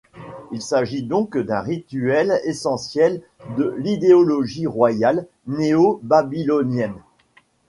Il s'agit donc d'un rituel essentiel de l'idéologie royale néo-babylonienne.